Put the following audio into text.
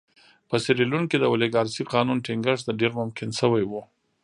په سیریلیون کې د اولیګارشۍ قانون ټینګښت ډېر ممکن شوی و.